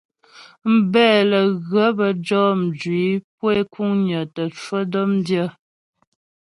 Mbɛ lə́ ghə bə́ jɔ mjwǐ pu é kuŋnyə tə cwə dɔ̌mdyə.